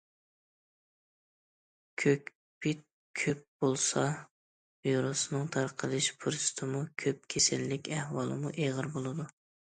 كۆكپىت كۆپ بولسا، ۋىرۇسنىڭ تارقىلىش پۇرسىتىمۇ كۆپ، كېسەللىك ئەھۋالىمۇ ئېغىر بولىدۇ.